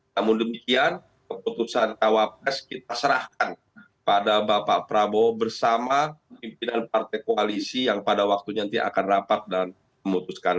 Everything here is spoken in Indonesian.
namun demikian keputusan cawapres kita serahkan pada bapak prabowo bersama pimpinan partai koalisi yang pada waktunya nanti akan rapat dan memutuskan